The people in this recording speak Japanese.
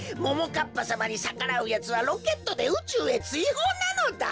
かっぱさまにさからうやつはロケットでうちゅうへついほうなのだ！